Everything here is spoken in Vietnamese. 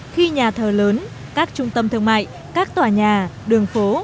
khi nhà thờ lớn các trung tâm thương mại các tòa nhà đường phố